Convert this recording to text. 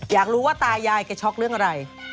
อยากรู้ว่าตายายแกช็อกเรื่องอะไร